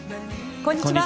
こんにちは。